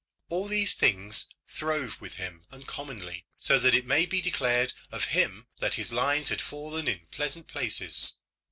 All these things throve with him uncommonly, so that it may be declared of him that his lines had fallen in pleasant places.